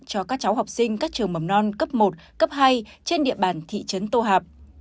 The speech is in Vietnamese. cho các cháu học sinh các trường mầm non cấp một cấp hai trên địa bàn thị trấn tô hạp